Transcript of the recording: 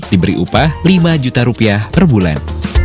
diberi upah lima juta rupiah per bulan